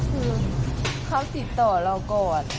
คือเขาติดต่อเราก่อน